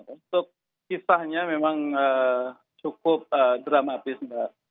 untuk kisahnya memang cukup dramatis mbak